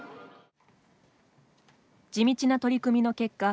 地道な取り組みの結果